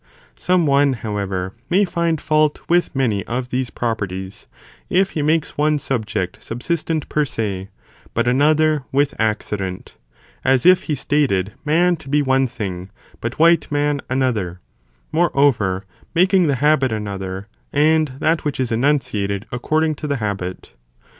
Some one however may find fault with many of these properties, if he makes one subject subsistent per se, but another with accident, as if he stated man to be one thing, but white man another, moreover, making the habit another, and that which is enunciated ac cording to the habit.